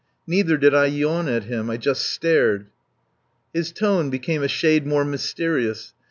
Neither did I yawn at him. I just stared. His tone became a shade more mysterious.